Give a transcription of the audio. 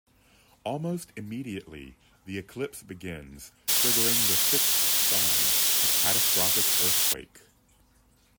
Almost immediately, the eclipse begins, triggering the sixth sign, a catastrophic earthquake.